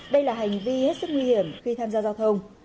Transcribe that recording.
đây là hành vi hết sức nguy hiểm khi tham gia giao thông